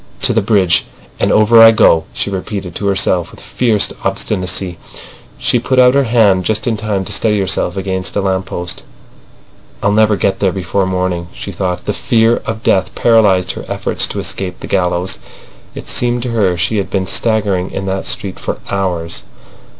"To the bridge—and over I go," she repeated to herself with fierce obstinacy. She put out her hand just in time to steady herself against a lamp post. "I'll never get there before morning," she thought. The fear of death paralysed her efforts to escape the gallows. It seemed to her she had been staggering in that street for hours.